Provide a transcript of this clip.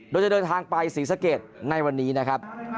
โดยจะเดินทางไปศรีสะเกดในวันนี้นะครับ